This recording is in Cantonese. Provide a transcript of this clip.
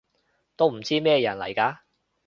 都唔知咩人嚟㗎